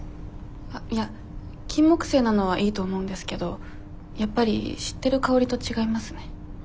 あっいやキンモクセイなのはいいと思うんですけどやっぱり知ってる香りと違いますね。